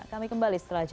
kami kembali setelah jeda